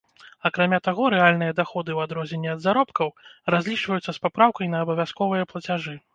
Акрамя таго, рэальныя даходы, у адрозненне ад заробкаў, разлічваюцца з папраўкай на абавязковыя плацяжы.